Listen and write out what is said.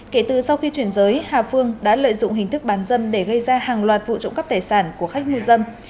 kể từ sau khi chuyển giới hà phương đã lợi dụng hình thức bán dâm để gây ra hàng loạt vụ trộm cắp tài sản của khách mua dâm